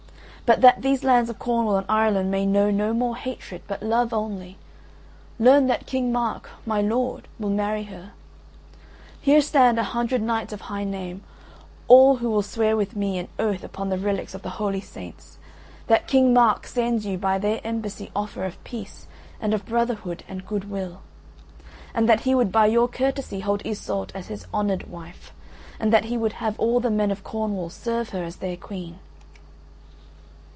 "But that these lands of Cornwall and Ireland may know no more hatred, but love only, learn that King Mark, my lord, will marry her. Here stand a hundred knights of high name, who all will swear with an oath upon the relics of the holy saints, that King Mark sends you by their embassy offer of peace and of brotherhood and goodwill; and that he would by your courtesy hold Iseult as his honoured wife, and that he would have all the men of Cornwall serve her as their Queen."